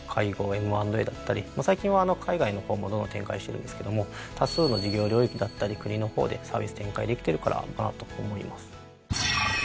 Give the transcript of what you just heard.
Ｍ＆Ａだったり最近は海外の方もどんどん展開してるんですけども多数の事業領域だったり国の方でサービス展開できてるからかなと思います。